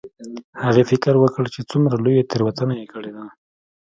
هغې فکر وکړ چې څومره لویه تیروتنه یې کړې ده